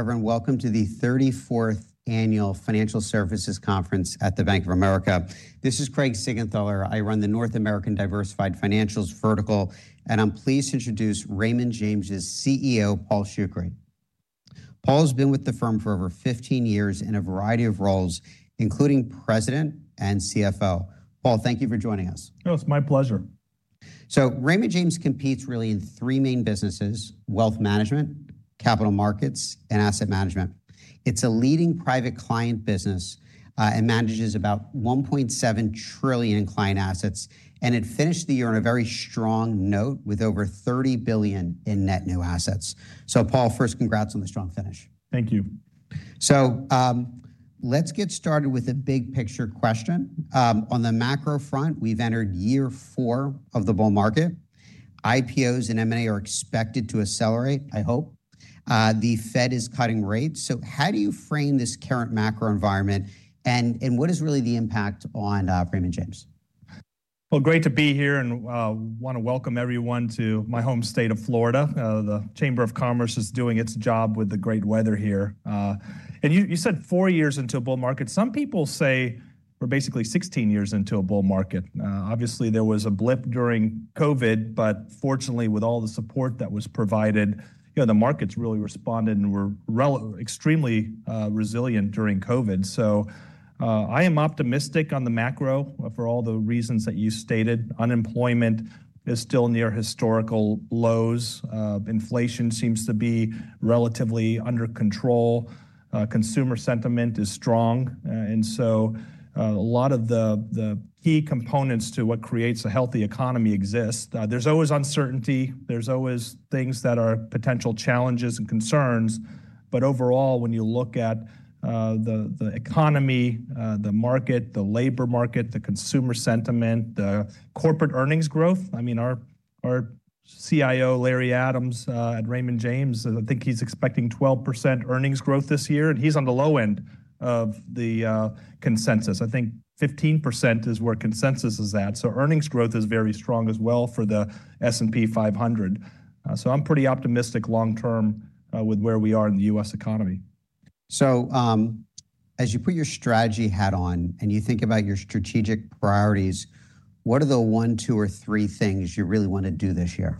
Everyone, welcome to the thirty-fourth Annual Financial Services Conference at the Bank of America. This is Craig Siegenthaler. I run the North American Diversified Financials vertical, and I'm pleased to introduce Raymond James's CEO, Paul Shoukry. Paul's been with the firm for over 15 years in a variety of roles, including President and CFO. Paul, thank you for joining us. Oh, it's my pleasure. Raymond James competes really in three main businesses: wealth management, capital markets, and asset management. It's a leading private client business, and manages about $1.7 trillion in client assets, and it finished the year on a very strong note, with over $30 billion in net new assets. So Paul, first, congrats on the strong finish. Thank you. Let's get started with a big-picture question. On the macro front, we've entered year four of the bull market. IPOs and M&A are expected to accelerate, I hope. The Fed is cutting rates. How do you frame this current macro environment, and what is really the impact on Raymond James? Well, great to be here, and want to welcome everyone to my home state of Florida. The Chamber of Commerce is doing its job with the great weather here. You said four years into a bull market. Some people say we're basically 16 years into a bull market. Obviously, there was a blip during COVID, but fortunately, with all the support that was provided, you know, the markets really responded and were extremely resilient during COVID. So, I am optimistic on the macro for all the reasons that you stated. Unemployment is still near historical lows. Inflation seems to be relatively under control. Consumer sentiment is strong. And so a lot of the key components to what creates a healthy economy exist. There's always uncertainty, there's always things that are potential challenges and concerns, but overall, when you look at the economy, the market, the labor market, the consumer sentiment, the corporate earnings growth, I mean, our CIO, Larry Adam, at Raymond James, I think he's expecting 12% earnings growth this year, and he's on the low end of the consensus. I think 15% is where consensus is at. So earnings growth is very strong as well for the S&P 500. So I'm pretty optimistic long term with where we are in the U.S. economy. As you put your strategy hat on and you think about your strategic priorities, what are the one, two, or three things you really want to do this year?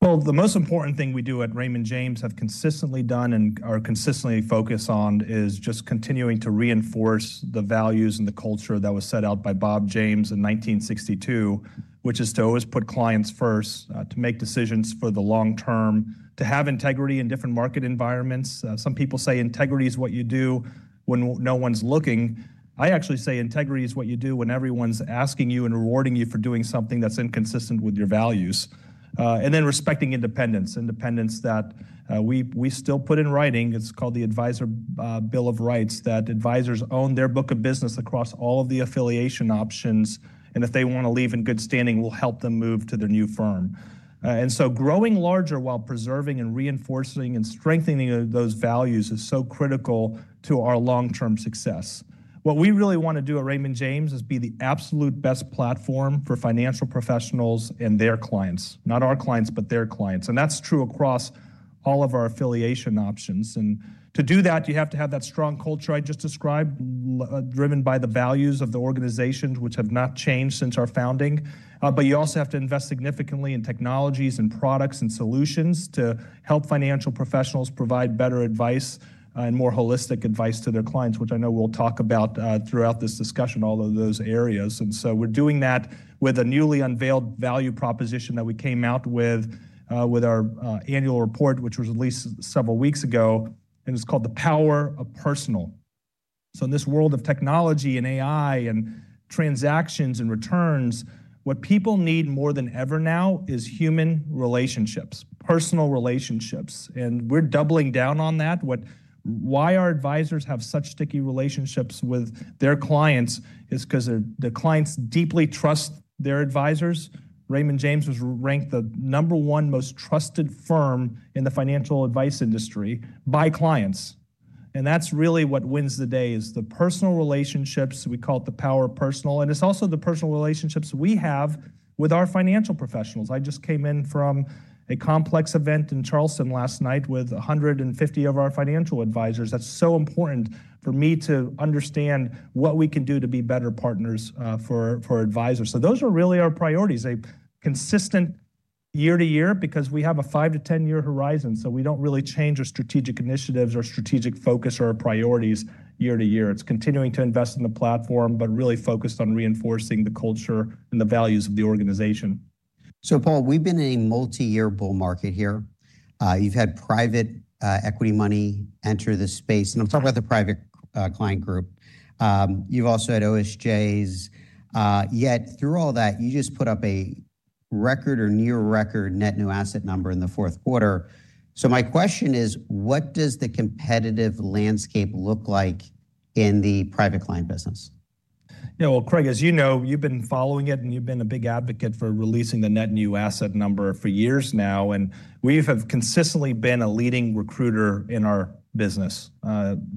Well, the most important thing we do at Raymond James, have consistently done and are consistently focused on, is just continuing to reinforce the values and the culture that was set out by Bob James in 1962, which is to always put clients first, to make decisions for the long term, to have integrity in different market environments. Some people say integrity is what you do when no one's looking. I actually say integrity is what you do when everyone's asking you and rewarding you for doing something that's inconsistent with your values. And then respecting independence, independence that we still put in writing. It's called the Advisor Bill of Rights, that advisors own their book of business across all of the affiliation options, and if they want to leave in good standing, we'll help them move to their new firm. And so growing larger while preserving and reinforcing and strengthening those values is so critical to our long-term success. What we really want to do at Raymond James is be the absolute best platform for financial professionals and their clients, not our clients, but their clients, and that's true across all of our affiliation options. And to do that, you have to have that strong culture I just described, driven by the values of the organization, which have not changed since our founding. But you also have to invest significantly in technologies and products and solutions to help financial professionals provide better advice and more holistic advice to their clients, which I know we'll talk about, throughout this discussion, all of those areas. And so we're doing that with a newly unveiled value proposition that we came out with with our annual report, which was released several weeks ago, and it's called The Power of Personal. So in this world of technology and AI and transactions and returns, what people need more than ever now is human relationships, personal relationships, and we're doubling down on that. Why our advisors have such sticky relationships with their clients is 'cause the clients deeply trust their advisors. Raymond James was ranked the number one most trusted firm in the financial advice industry by clients, and that's really what wins the day, is the personal relationships. We call it the power of personal, and it's also the personal relationships we have with our financial professionals. I just came in from a complex event in Charleston last night with 150 of our financial advisors. That's so important for me to understand what we can do to be better partners, for, for advisors. So those are really our priorities, a consistent year to year, because we have a 5-10-year horizon, so we don't really change our strategic initiatives or strategic focus or our priorities year to year. It's continuing to invest in the platform, but really focused on reinforcing the culture and the values of the organization. So Paul, we've been in a multi-year bull market here. You've had private equity money enter the space, and I'm talking about the Private Client Group. You've also had OSJs. Yet through all that, you just put up a record or near record net new asset number in the fourth quarter. So my question is: What does the competitive landscape look like in the private client business? Yeah, well, Craig, as you know, you've been following it, and you've been a big advocate for releasing the net new asset number for years now, and we have consistently been a leading recruiter in our business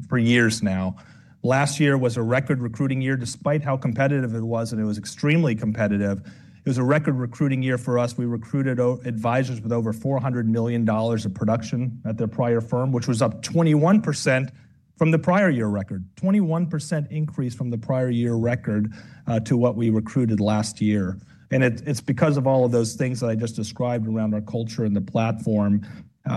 for years now. Last year was a record recruiting year, despite how competitive it was, and it was extremely competitive. It was a record recruiting year for us. We recruited advisors with over $400 million of production at their prior firm, which was up 21% from the prior year record. 21% increase from the prior year record to what we recruited last year, and it, it's because of all of those things that I just described around our culture and the platform.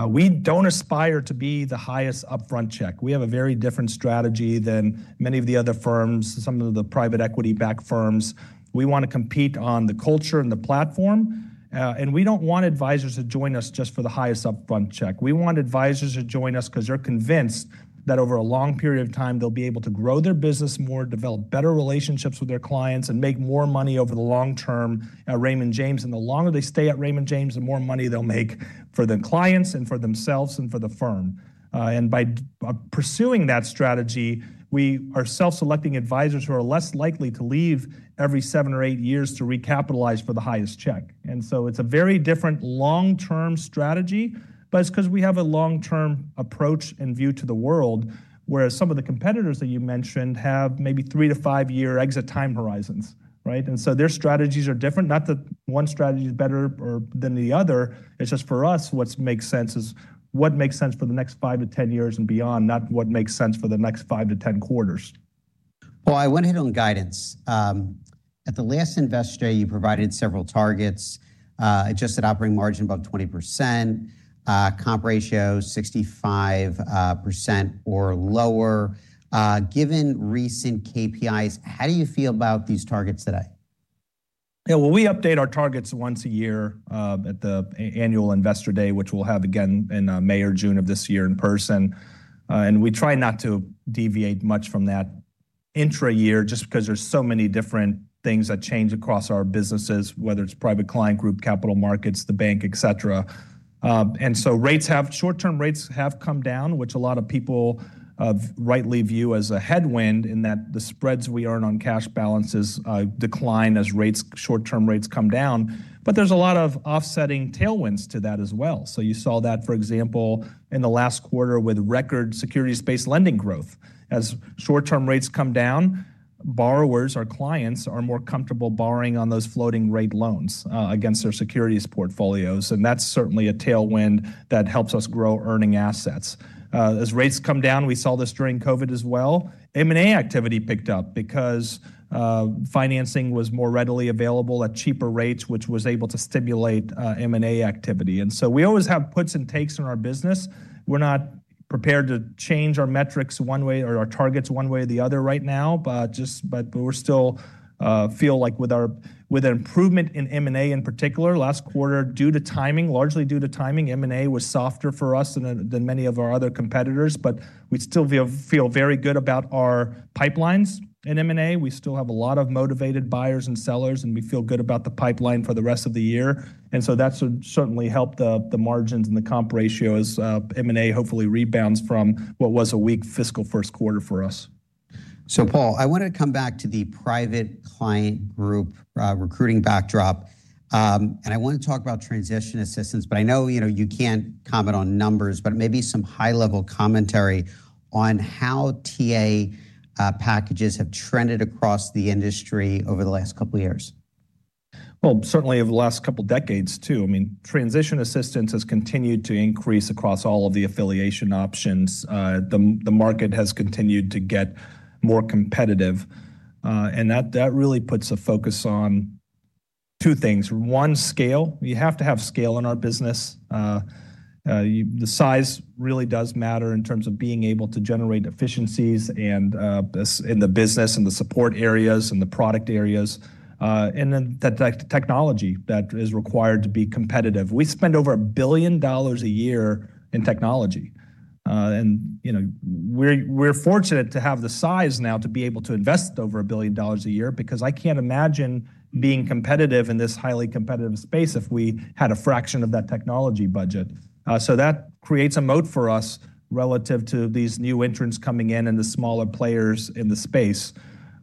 We don't aspire to be the highest upfront check. We have a very different strategy than many of the other firms, some of the private equity-backed firms. We want to compete on the culture and the platform, and we don't want advisors to join us just for the highest upfront check. We want advisors to join us 'cause they're convinced that over a long period of time, they'll be able to grow their business more, develop better relationships with their clients, and make more money over the long term at Raymond James, and the longer they stay at Raymond James, the more money they'll make for the clients and for themselves and for the firm. And by pursuing that strategy, we are self-selecting advisors who are less likely to leave every seven or eight years to recapitalize for the highest check. So it's a very different long-term strategy, but it's 'cause we have a long-term approach and view to the world, whereas some of the competitors that you mentioned have maybe 3-5-year exit time horizons, right? So their strategies are different. Not that one strategy is better or than the other, it's just for us, what makes sense is what makes sense for the next 5-10 years and beyond, not what makes sense for the next 5-10 quarters. Well, I want to hit on guidance. At the last Investor Day, you provided several targets. Adjusted operating margin, about 20%, comp ratio, 65% or lower. Given recent KPIs, how do you feel about these targets today? Yeah, well, we update our targets once a year at the Annual Investor Day, which we'll have again in May or June of this year in person. And we try not to deviate much from that intra year just because there's so many different things that change across our businesses, whether it's Private Client Group, Capital Markets, the Bank, et cetera. And so short-term rates have come down, which a lot of people rightly view as a headwind in that the spreads we earn on cash balances decline as rates, short-term rates come down, but there's a lot of offsetting tailwinds to that as well. So you saw that, for example, in the last quarter with record Securities-Based Lending growth. As short-term rates come down, borrowers or clients are more comfortable borrowing on those floating-rate loans, against their securities portfolios, and that's certainly a tailwind that helps us grow earning assets. As rates come down, we saw this during COVID as well, M&A activity picked up because, financing was more readily available at cheaper rates, which was able to stimulate M&A activity. And so we always have puts and takes in our business. We're not prepared to change our metrics one way or our targets one way or the other right now, but just, but we're still feel like with our, with an improvement in M&A, in particular, last quarter, due to timing, largely due to timing, M&A was softer for us than, than many of our other competitors, but we still feel, feel very good about our pipelines in M&A. We still have a lot of motivated buyers and sellers, and we feel good about the pipeline for the rest of the year, and so that's certainly helped the margins and the comp ratios. M&A hopefully rebounds from what was a weak fiscal first quarter for us. So Paul, I want to come back to the Private Client Group recruiting backdrop. I want to talk about transition assistance, but I know, you know, you can't comment on numbers, but maybe some high-level commentary on how TA packages have trended across the industry over the last couple of years. Well, certainly over the last couple of decades, too. I mean, transition assistance has continued to increase across all of the affiliation options. The market has continued to get more competitive, and that really puts a focus on two things. One, scale. We have to have scale in our business. The size really does matter in terms of being able to generate efficiencies and in the business and the support areas and the product areas, and then the technology that is required to be competitive. We spend over $1 billion a year in technology, and, you know, we're fortunate to have the size now to be able to invest over $1 billion a year, because I can't imagine being competitive in this highly competitive space if we had a fraction of that technology budget. So that creates a moat for us relative to these new entrants coming in and the smaller players in the space.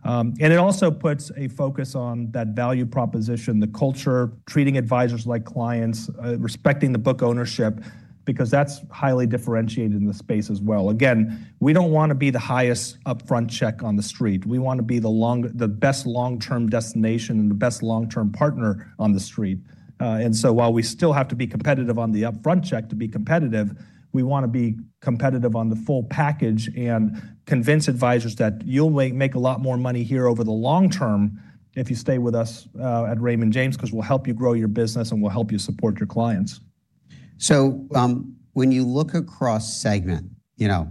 It also puts a focus on that value proposition, the culture, treating advisors like clients, respecting the book ownership, because that's highly differentiated in the space as well. Again, we don't want to be the highest upfront check on the street. We want to be the best long-term destination and the best long-term partner on the street. So while we still have to be competitive on the upfront check to be competitive, we want to be competitive on the full package and convince advisors that you'll make a lot more money here over the long term if you stay with us at Raymond James, 'cause we'll help you grow your business, and we'll help you support your clients. So, when you look across segments, you know,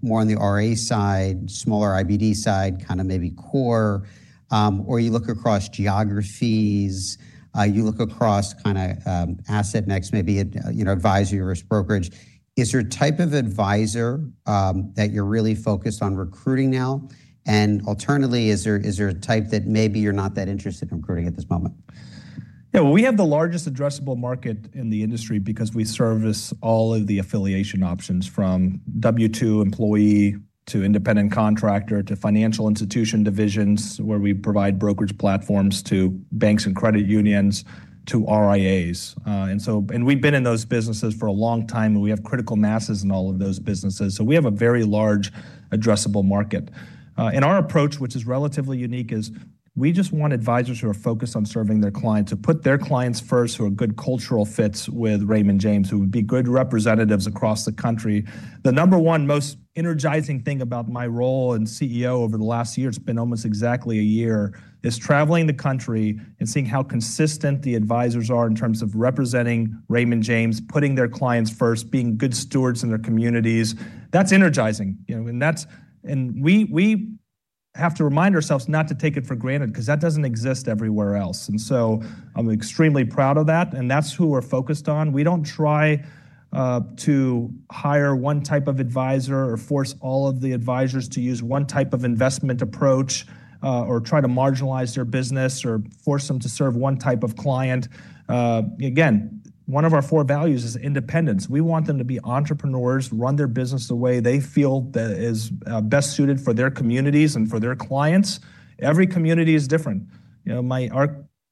more on the RIA side, smaller IBD side, kind of maybe core, or you look across geographies, you look across kind of, asset mix, maybe a, you know, advisory or brokerage, is there a type of advisor that you're really focused on recruiting now? And alternatively, is there a type that maybe you're not that interested in recruiting at this moment? Yeah, we have the largest addressable market in the industry because we service all of the affiliation options, from W-2 employee to independent contractor to financial institution divisions, where we provide brokerage platforms to banks and credit unions, to RIAs. And we've been in those businesses for a long time, and we have critical masses in all of those businesses, so we have a very large addressable market. And our approach, which is relatively unique, is we just want advisors who are focused on serving their clients, who put their clients first, who are good cultural fits with Raymond James, who would be good representatives across the country. The number one most energizing thing about my role as CEO over the last year, it's been almost exactly a year, is traveling the country and seeing how consistent the advisors are in terms of representing Raymond James, putting their clients first, being good stewards in their communities. That's energizing, you know, and that's. And we have to remind ourselves not to take it for granted, 'cause that doesn't exist everywhere else. And so I'm extremely proud of that, and that's who we're focused on. We don't try to hire one type of advisor or force all of the advisors to use one type of investment approach, or try to marginalize their business or force them to serve one type of client. Again, one of our four values is independence. We want them to be entrepreneurs, run their business the way they feel that is best suited for their communities and for their clients. Every community is different. You know,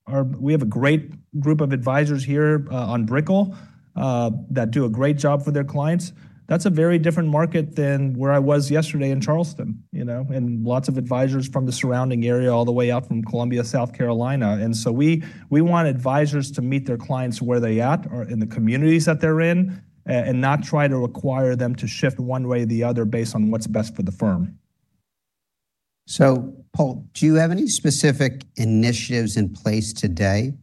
our, we have a great group of advisors here on Brickell that do a great job for their clients. That's a very different market than where I was yesterday in Charleston, you know, and lots of advisors from the surrounding area, all the way out from Columbia, South Carolina. And so we want advisors to meet their clients where they're at or in the communities that they're in, and not try to require them to shift one way or the other based on what's best for the firm. So Paul, do you have any specific initiatives in place today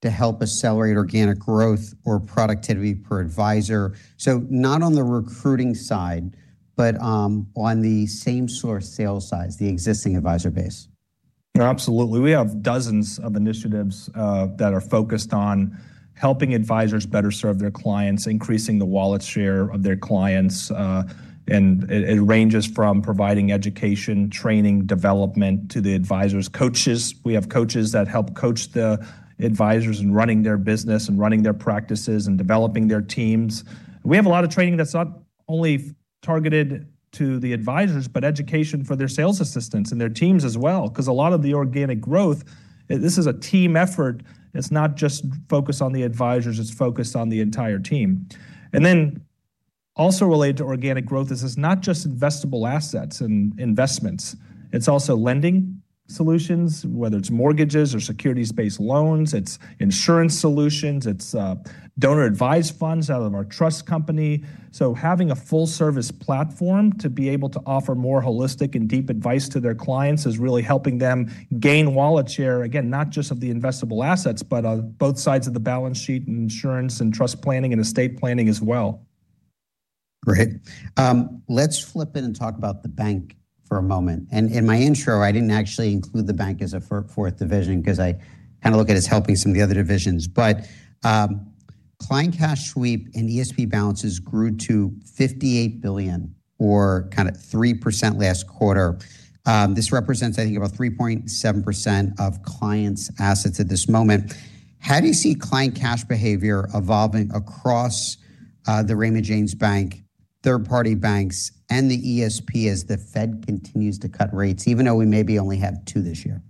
to help accelerate organic growth or productivity per advisor? So not on the recruiting side, but, on the same-source sales side, the existing advisor base. Absolutely. We have dozens of initiatives that are focused on helping advisors better serve their clients, increasing the wallet share of their clients, and it, it ranges from providing education, training, development to the advisors. Coaches, we have coaches that help coach the advisors in running their business and running their practices and developing their teams. We have a lot of training that's not only targeted to the advisors, but education for their sales assistants and their teams as well, 'cause a lot of the organic growth, this is a team effort. It's not just focused on the advisors, it's focused on the entire team. And then also related to organic growth, this is not just investable assets and investments, it's also lending solutions, whether it's mortgages or securities-based loans, it's insurance solutions, it's donor-advised funds out of our trust company. So having a full-service platform to be able to offer more holistic and deep advice to their clients is really helping them gain wallet share, again, not just of the investable assets, but on both sides of the balance sheet, and insurance, and trust planning, and estate planning as well. Great. Let's flip it and talk about the bank for a moment. In my intro, I didn't actually include the bank as a fourth division, 'cause I kind of look at it as helping some of the other divisions. But, client cash sweep and ESP balances grew to $58 billion or kind of 3% last quarter. This represents, I think, about 3.7% of clients' assets at this moment. How do you see client cash behavior evolving across the Raymond James Bank, third-party banks, and the ESP as the Fed continues to cut rates, even though we maybe only have two this year?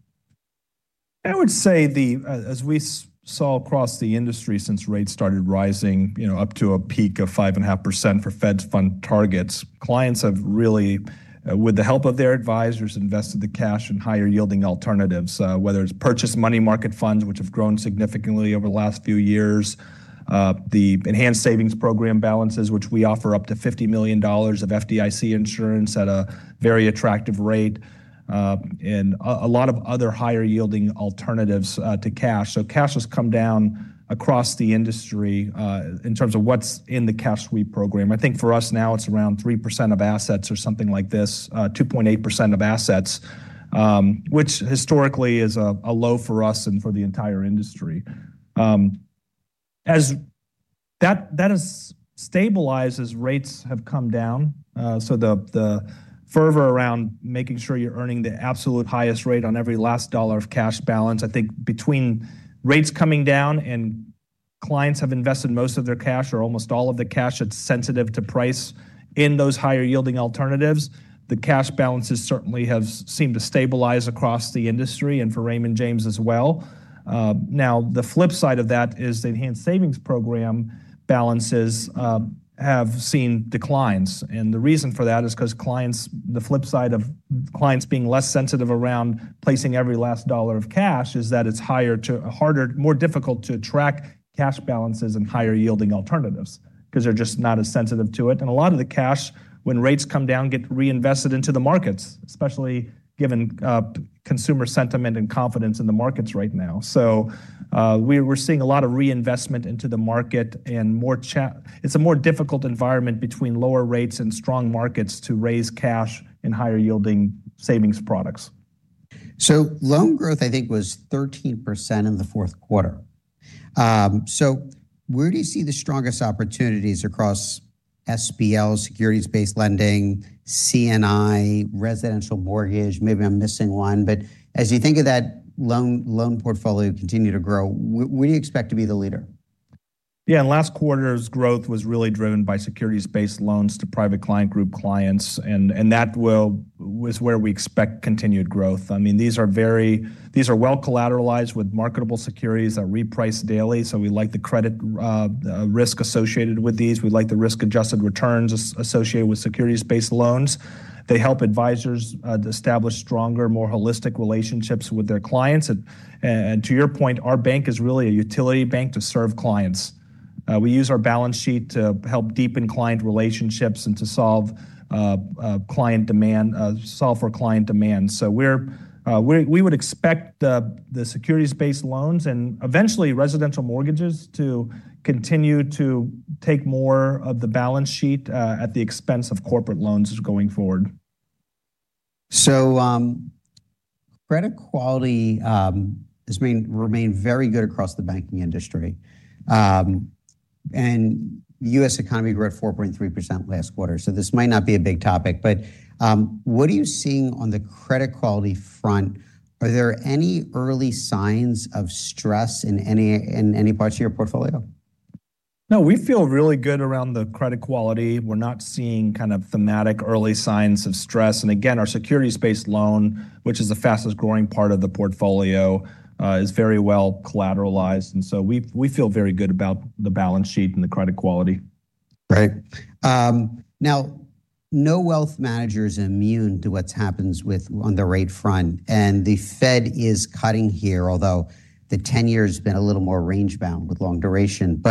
I would say as we saw across the industry since rates started rising, you know, up to a peak of 5.5% for Fed Funds Target, clients have really, with the help of their advisors, invested the cash in higher-yielding alternatives, whether it's purchase money market funds, which have grown significantly over the last few years, the Enhanced Savings Program balances, which we offer up to $50 million of FDIC insurance at a very attractive rate, and a lot of other higher-yielding alternatives, to cash. So cash has come down across the industry, in terms of what's in the cash sweep program. I think for us now it's around 3% of assets or something like this, 2.8% of assets, which historically is a low for us and for the entire industry. As that has stabilized as rates have come down, so the fervor around making sure you're earning the absolute highest rate on every last dollar of cash balance, I think between rates coming down and clients have invested most of their cash or almost all of the cash that's sensitive to price in those higher-yielding alternatives, the cash balances certainly have seemed to stabilize across the industry and for Raymond James as well. Now, the flip side of that is the enhanced savings program balances have seen declines, and the reason for that is 'cause clients—the flip side of clients being less sensitive around placing every last dollar of cash—is that it's harder, more difficult to track cash balances and higher-yielding alternatives, 'cause they're just not as sensitive to it. And a lot of the cash, when rates come down, get reinvested into the markets, especially given consumer sentiment and confidence in the markets right now. So, we're seeing a lot of reinvestment into the market and it's a more difficult environment between lower rates and strong markets to raise cash in higher-yielding savings products. So loan growth, I think, was 13% in the fourth quarter. So where do you see the strongest opportunities across SBL, securities-based lending, C&I, residential mortgage? Maybe I'm missing one, but as you think of that loan, loan portfolio continue to grow, what do you expect to be the leader? Yeah, last quarter's growth was really driven by securities-based loans to Private Client Group clients, and that was where we expect continued growth. I mean, these are very well collateralized with marketable securities that reprice daily, so we like the credit risk associated with these. We like the risk-adjusted returns associated with securities-based loans. They help advisors to establish stronger, more holistic relationships with their clients. And to your point, our bank is really a utility bank to serve clients. We use our balance sheet to help deepen client relationships and to solve for client demand. So we would expect the securities-based loans and eventually residential mortgages to continue to take more of the balance sheet at the expense of corporate loans going forward.... So, credit quality has remained very good across the banking industry. And the U.S. economy grew at 4.3% last quarter, so this might not be a big topic, but, what are you seeing on the credit quality front? Are there any early signs of stress in any parts of your portfolio? No, we feel really good around the credit quality. We're not seeing kind of thematic early signs of stress. And again, our securities-based loan, which is the fastest growing part of the portfolio, is very well collateralized, and so we, we feel very good about the balance sheet and the credit quality. Right. Now, no wealth manager is immune to what happens with- on the rate front, and the Fed is cutting here, although the ten-year has been a little more range-bound with long duration.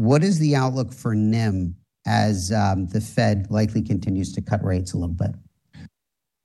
What is the outlook for NIM as the Fed likely continues to cut rates a little bit?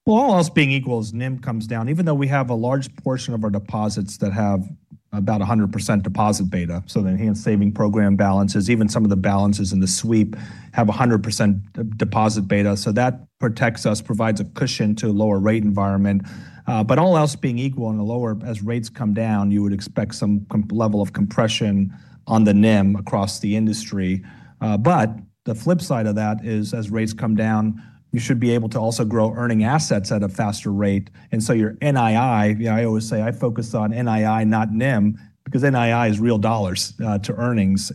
Well, all else being equal, as NIM comes down, even though we have a large portion of our deposits that have about 100% deposit beta, so the enhanced savings program balances, even some of the balances in the sweep have 100% deposit beta. So that protects us, provides a cushion to a lower rate environment. But all else being equal and as rates come down, you would expect some level of compression on the NIM across the industry. But the flip side of that is, as rates come down, you should be able to also grow earning assets at a faster rate. And so your NII, I always say I focus on NII, not NIM, because NII is real dollars to earnings.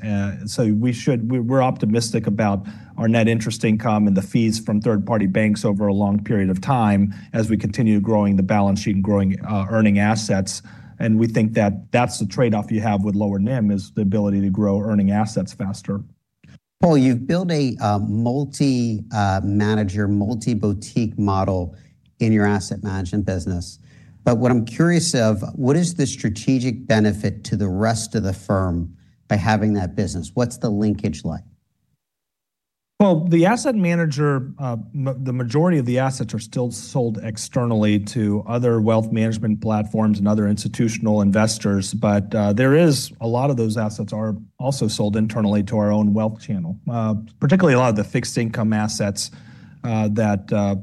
So we're optimistic about our net interest income and the fees from third-party banks over a long period of time as we continue growing the balance sheet and growing earning assets. And we think that that's the trade-off you have with lower NIM, is the ability to grow earning assets faster. Paul, you've built a multi manager multi-boutique model in your asset management business. But what I'm curious of, what is the strategic benefit to the rest of the firm by having that business? What's the linkage like? Well, the asset manager, the majority of the assets are still sold externally to other wealth management platforms and other institutional investors. But there is a lot of those assets are also sold internally to our own wealth channel. Particularly a lot of the fixed income assets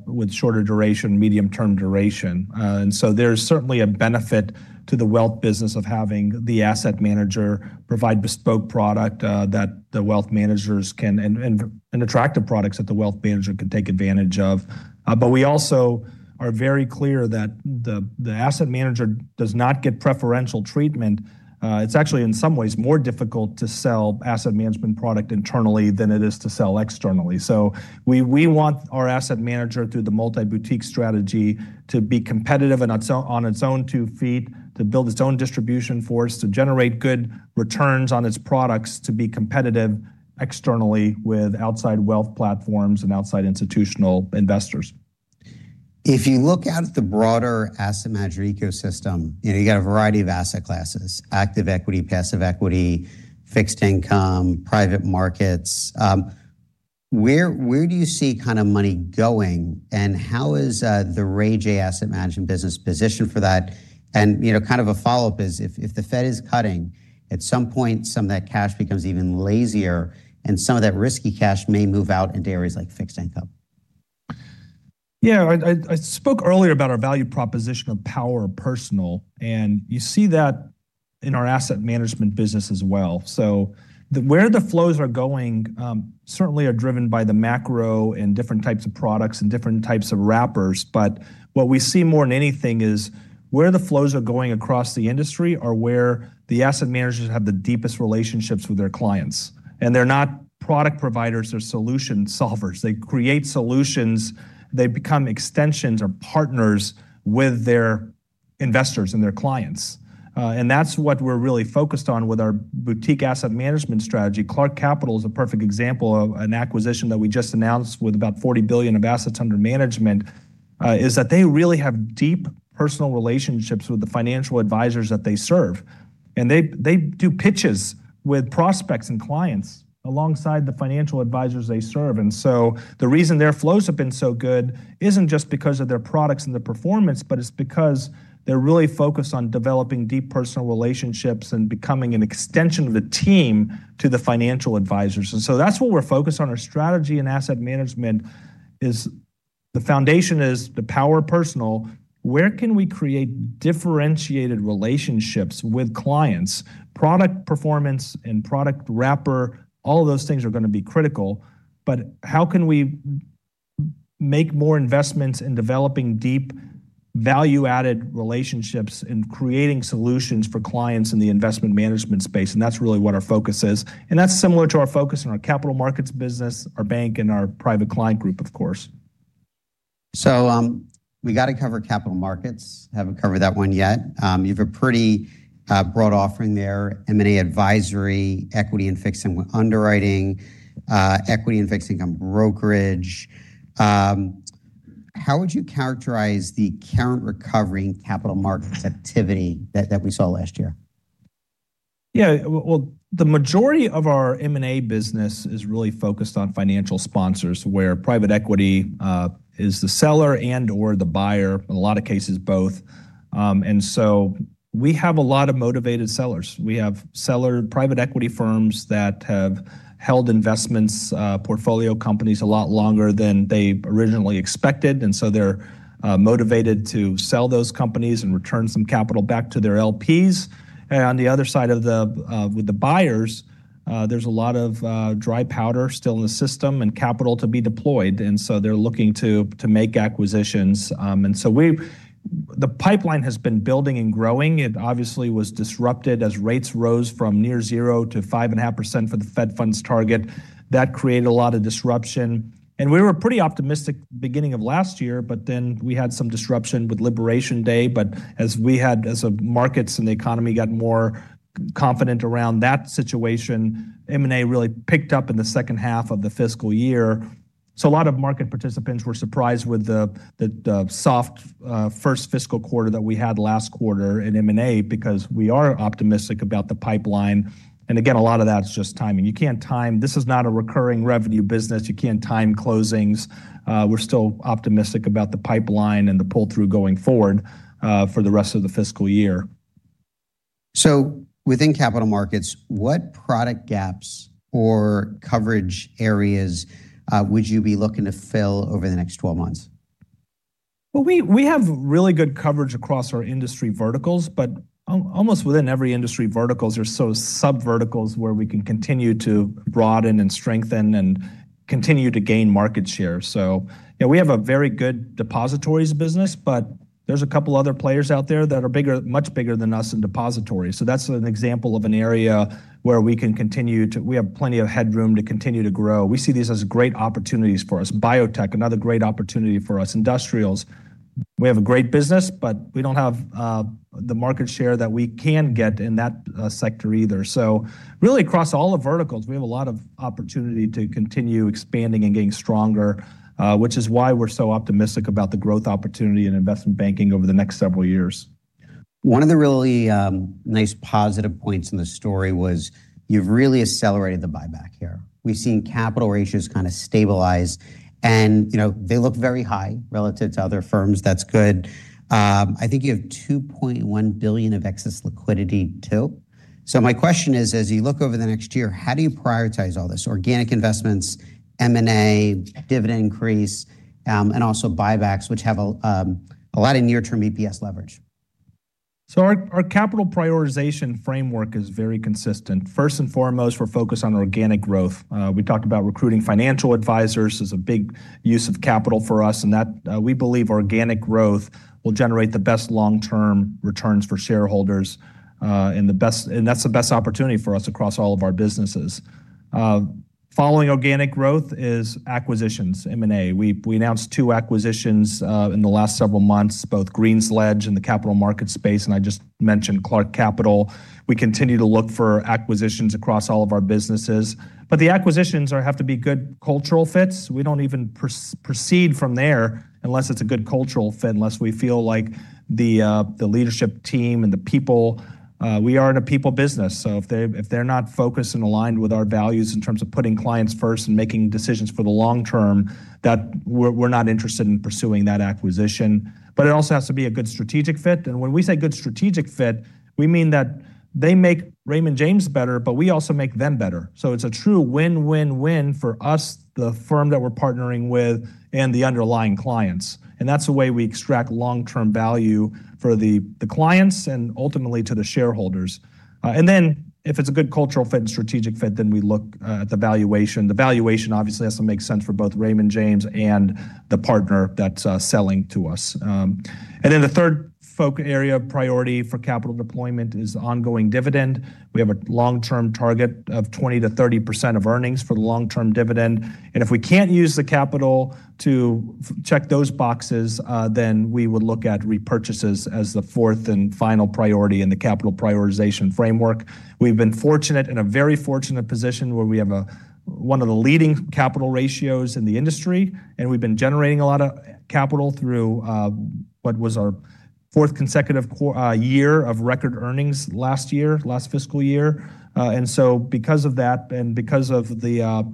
with shorter duration, medium-term duration. And so there's certainly a benefit to the wealth business of having the asset manager provide bespoke product that the wealth managers can and attractive products that the wealth manager can take advantage of. But we also are very clear that the asset manager does not get preferential treatment. It's actually, in some ways, more difficult to sell asset management product internally than it is to sell externally. So we want our asset manager, through the multi-boutique strategy, to be competitive and on its own two feet, to build its own distribution force, to generate good returns on its products, to be competitive externally with outside wealth platforms and outside institutional investors. If you look out at the broader asset manager ecosystem, and you've got a variety of asset classes, active equity, passive equity, fixed income, private markets, where do you see kind of money going, and how is the RayJay Asset Management business positioned for that? And, you know, kind of a follow-up is, if the Fed is cutting, at some point, some of that cash becomes even lazier, and some of that risky cash may move out into areas like fixed income. Yeah, I spoke earlier about our value proposition of The Power of Personal, and you see that in our asset management business as well. So where the flows are going, certainly are driven by the macro and different types of products and different types of wrappers, but what we see more than anything is where the flows are going across the industry are where the asset managers have the deepest relationships with their clients. And they're not product providers, they're solution solvers. They create solutions. They become extensions or partners with their investors and their clients. And that's what we're really focused on with our boutique asset management strategy. Clark Capital is a perfect example of an acquisition that we just announced with about $40 billion of assets under management, is that they really have deep personal relationships with the financial advisors that they serve. They, they do pitches with prospects and clients alongside the financial advisors they serve. So the reason their flows have been so good isn't just because of their products and their performance, but it's because they're really focused on developing deep personal relationships and becoming an extension of the team to the financial advisors. That's what we're focused on. Our strategy and asset management is... The foundation is the power personal. Where can we create differentiated relationships with clients? Product performance and product wrapper, all of those things are going to be critical, but how can we make more investments in developing deep, value-added relationships and creating solutions for clients in the investment management space? That's really what our focus is. That's similar to our focus on our capital markets business, our bank, and our Private Client Group, of course. We got to cover capital markets. Haven't covered that one yet. You've a pretty broad offering there, M&A advisory, equity and fixed income underwriting, equity and fixed income brokerage. How would you characterize the current recovery in capital markets activity that, that we saw last year?... Yeah, well, the majority of our M&A business is really focused on financial sponsors, where private equity is the seller and/or the buyer, in a lot of cases, both. And so we have a lot of motivated sellers. We have seller-private equity firms that have held investments, portfolio companies a lot longer than they originally expected, and so they're motivated to sell those companies and return some capital back to their LPs. And on the other side of the, with the buyers, there's a lot of dry powder still in the system and capital to be deployed, and so they're looking to make acquisitions. And so the pipeline has been building and growing. It obviously was disrupted as rates rose from near 0%-5.5% for the Fed Funds Target. That created a lot of disruption, and we were pretty optimistic beginning of last year, but then we had some disruption with Liberation Day. But as the markets and the economy got more confident around that situation, M&A really picked up in the second half of the fiscal year. So a lot of market participants were surprised with the soft first fiscal quarter that we had last quarter in M&A because we are optimistic about the pipeline, and again, a lot of that's just timing. You can't time... This is not a recurring revenue business. You can't time closings. We're still optimistic about the pipeline and the pull-through going forward for the rest of the fiscal year. Within Capital Markets, what product gaps or coverage areas would you be looking to fill over the next 12 months? Well, we have really good coverage across our industry verticals, but almost within every industry verticals, there's sort of sub-verticals where we can continue to broaden and strengthen and continue to gain market share. So, yeah, we have a very good depositories business, but there's a couple other players out there that are bigger, much bigger than us in depository. So that's an example of an area where we can continue to—we have plenty of headroom to continue to grow. We see these as great opportunities for us. Biotech, another great opportunity for us. Industrials, we have a great business, but we don't have the market share that we can get in that sector either. So really, across all the verticals, we have a lot of opportunity to continue expanding and getting stronger, which is why we're so optimistic about the growth opportunity in investment banking over the next several years. One of the really nice positive points in the story was you've really accelerated the buyback here. We've seen capital ratios kind of stabilize, and, you know, they look very high relative to other firms. That's good. I think you have $2.1 billion of excess liquidity, too. So my question is, as you look over the next year, how do you prioritize all this? Organic investments, M&A, dividend increase, and also buybacks, which have a lot of near-term EPS leverage. So our, our capital prioritization framework is very consistent. First and foremost, we're focused on organic growth. We talked about recruiting financial advisors is a big use of capital for us, and that, we believe organic growth will generate the best long-term returns for shareholders, and the best- and that's the best opportunity for us across all of our businesses. Following organic growth is acquisitions, M&A. We, we announced two acquisitions, in the last several months, both GreensLedge in the capital market space, and I just mentioned Clark Capital. We continue to look for acquisitions across all of our businesses. But the acquisitions are, have to be good cultural fits. We don't even proceed from there unless it's a good cultural fit, unless we feel like the, the leadership team and the people... We are in a people business, so if they're not focused and aligned with our values in terms of putting clients first and making decisions for the long term, then we're not interested in pursuing that acquisition. But it also has to be a good strategic fit, and when we say good strategic fit, we mean that they make Raymond James better, but we also make them better. So it's a true win-win-win for us, the firm that we're partnering with, and the underlying clients, and that's the way we extract long-term value for the clients and ultimately to the shareholders. And then, if it's a good cultural fit and strategic fit, then we look at the valuation. The valuation obviously has to make sense for both Raymond James and the partner that's selling to us. And then the third focus area of priority for capital deployment is ongoing dividend. We have a long-term target of 20%-30% of earnings for the long-term dividend, and if we can't use the capital to check those boxes, then we would look at repurchases as the fourth and final priority in the capital prioritization framework. We've been fortunate, in a very fortunate position where we have a one of the leading capital ratios in the industry, and we've been generating a lot of capital through what was our fourth consecutive year of record earnings last year, last fiscal year. And so because of that and because of the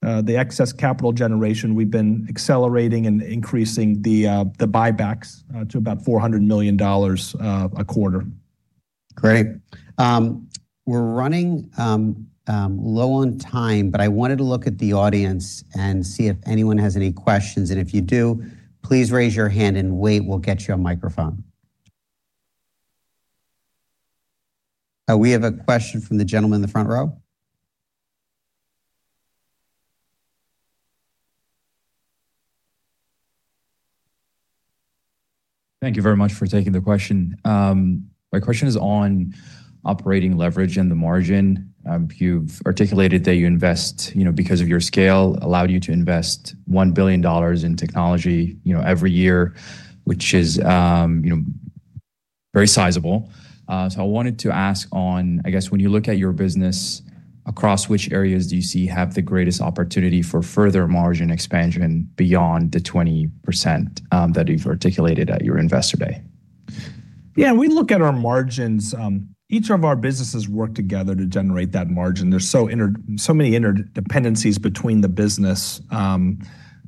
the excess capital generation, we've been accelerating and increasing the the buybacks to about $400 million a quarter. Great. We're running low on time, but I wanted to look at the audience and see if anyone has any questions, and if you do, please raise your hand and wait. We'll get you a microphone. We have a question from the gentleman in the front row. Thank you very much for taking the question. My question is on operating leverage and the margin. You've articulated that you invest, you know, because of your scale, allowed you to invest $1 billion in technology, you know, every year, which is, you know, very sizable. So I wanted to ask on, I guess, when you look at your business, across which areas do you see have the greatest opportunity for further margin expansion beyond the 20% that you've articulated at your Investor Day? Yeah, when we look at our margins, each of our businesses work together to generate that margin. There's so many interdependencies between the business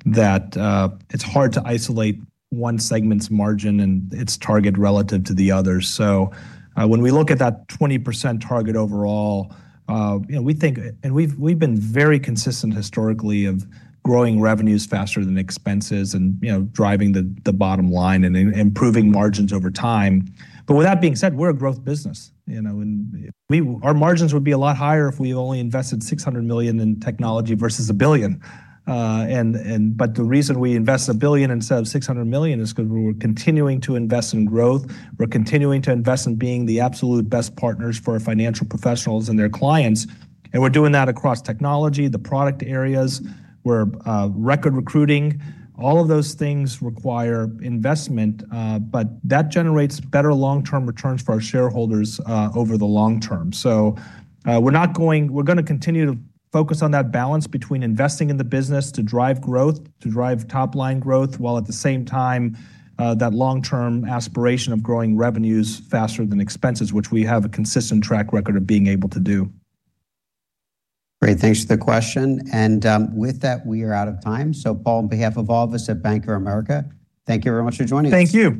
that it's hard to isolate one segment's margin and its target relative to the others. So, when we look at that 20% target overall, you know, we think... And we've been very consistent historically of growing revenues faster than expenses and, you know, driving the bottom line and improving margins over time. But with that being said, we're a growth business, you know, and our margins would be a lot higher if we only invested $600 million in technology versus $1 billion. And but the reason we invest $1 billion instead of $600 million is because we're continuing to invest in growth. We're continuing to invest in being the absolute best partners for our financial professionals and their clients, and we're doing that across technology, the product areas. We're record recruiting. All of those things require investment, but that generates better long-term returns for our shareholders over the long term. So, we're not going—we're gonna continue to focus on that balance between investing in the business to drive growth, to drive top-line growth, while at the same time, that long-term aspiration of growing revenues faster than expenses, which we have a consistent track record of being able to do. Great. Thanks for the question. With that, we are out of time. Paul, on behalf of all of us at Bank of America, thank you very much for joining us. Thank you.